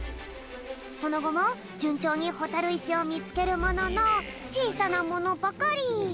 そのごもじゅんちょうにほたるいしをみつけるもののちいさなものばかり。